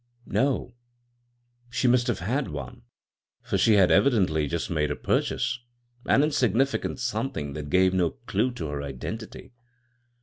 " No. She must have had one, for she bad evidently just made a purchase — an insignih cant something that gave no clew to her identity.